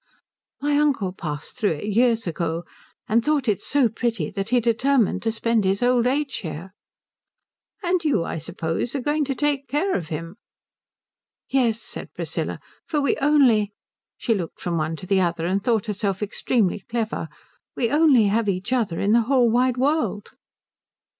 "My uncle passed through it years ago and thought it so pretty that he determined to spend his old age here." "And you, I suppose, are going to take care of him." "Yes," said Priscilla, "for we only" she looked from one to the other and thought herself extremely clever "we only have each other in the whole wide world."